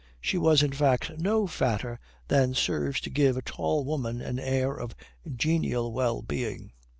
She was, in fact, no fatter than serves to give a tall woman an air of genial well being.